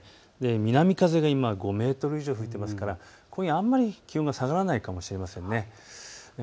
南風が今、５メートル以上吹いてますから今夜あまり気温が下がらないかもしれません。